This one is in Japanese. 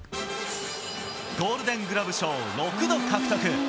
ゴールデングラブ賞を６度獲得。